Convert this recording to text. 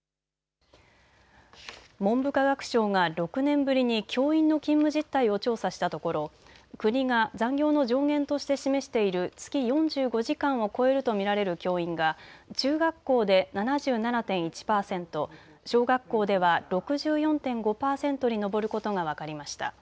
文部科学省が６年ぶりに教員の勤務実態を調査したところ、国が残業の上限として示している月４５時間を超えると見られる教員が中学校で７７．１％、小学校では６４．５％に上ることが分かりました。